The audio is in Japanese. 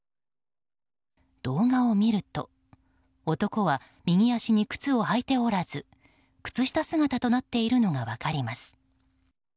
動画を見ると、男は右足に靴を履いておらず靴下姿となっているのが分かります。